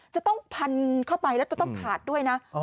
จะต้องพันเข้าไปแล้วจะต้องขาดด้วยนะ